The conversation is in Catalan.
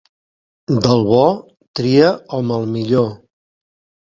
Del bo tria hom el millor.